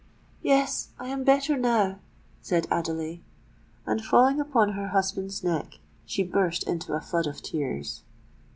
"Yes—I am better now," said Adelais; and, falling upon her husband's neck, she burst into a flood of tears.